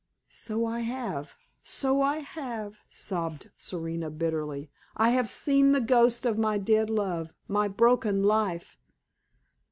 "So I have so I have!" sobbed Serena, bitterly. "I have seen the ghost of my dead love my broken life!